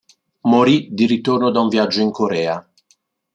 Morì di ritorno da un viaggio in Corea.